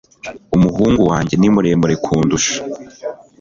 umuhungu wanjye ni muremure kundusha